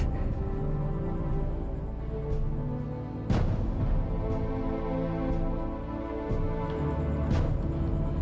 kau itu ngambil requisit